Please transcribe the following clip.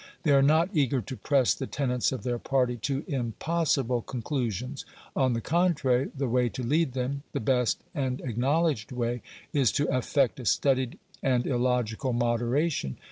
They are not eager to press the tenets of their party to impossible conclusions. On the contrary, the way to lead them the best and acknowledged way is to affect a studied and illogical moderation.